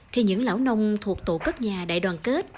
thì những lão nông thuộc tổ cất nhà đại đoàn kết